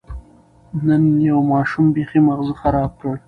نن یو ماشوم بېخي ماغزه خراب کړ.